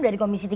dari komisi tiga